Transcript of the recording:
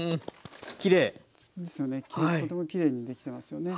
とてもきれいにできてますよね。